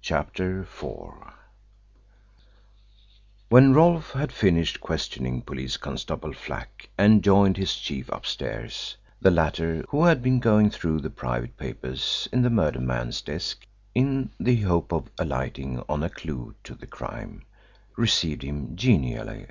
CHAPTER IV When Rolfe had finished questioning Police Constable Flack and joined his chief upstairs, the latter, who had been going through the private papers in the murdered man's desk in the hope of alighting on a clue to the crime, received him genially.